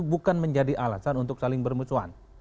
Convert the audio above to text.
bukan menjadi alasan untuk saling bermusuhan